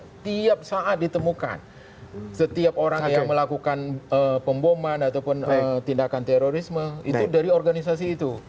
setiap saat ditemukan setiap orang yang melakukan pemboman ataupun tindakan terorisme itu dari organisasi itu